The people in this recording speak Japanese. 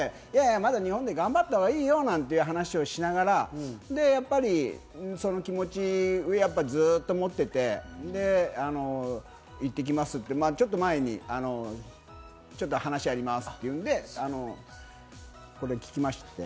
コロナになって、まだ日本で頑張ったほうがいいよなんていう話をしながらやっぱりその気持ちをずっと持っていて、行って来ますって、ちょっと前に話がありますっていうので、これ聞きまして。